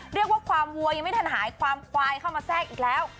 เรียกว่าความวัวยังไม่ทันหายความควายเข้ามาแทรกอีกแล้ว